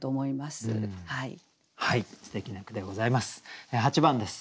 すてきな句でございます。